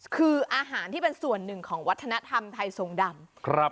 คืออาหารที่เป็นส่วนหนึ่งของวัฒนธรรมไทยทรงดำ